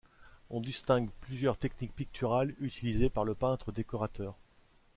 On distingue plusieurs techniques picturales utilisées par le peintre décorateur.